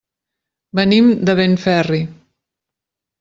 Venim de Benferri.